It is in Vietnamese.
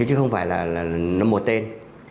chứ không phải là một tên